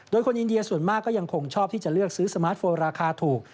โดยคนอินเดียส่วนมากก็ยังคงชอบที่จะเลือกซื้อสมาร์ทโฟนราคาถูก